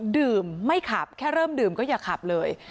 ดื่มไม่ขับแค่เริ่มดื่มก็อย่าขับเลย